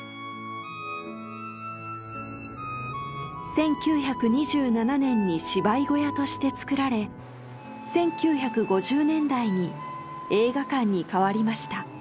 １９２７年に芝居小屋として造られ１９５０年代に映画館に変わりました。